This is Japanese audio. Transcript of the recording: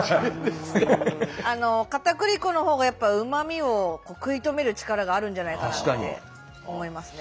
かたくり粉のほうがやっぱうまみを食い止める力があるんじゃないかなって思いますね。